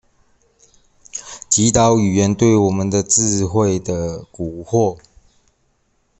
擊倒語言對我們智慧的蠱惑